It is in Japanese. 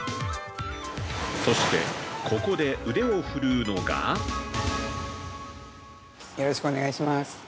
そして、ここで腕を振るうのが◆よろしくお願いします。